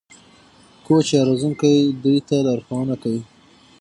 کوچ یا روزونکی دوی ته لارښوونه کوي.